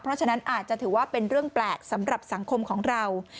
เพราะฉะนั้นอาจจะถือว่าเป็นเรื่องแปลกสำหรับสังคมของเรา